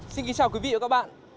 xin kính chào quý vị và các bạn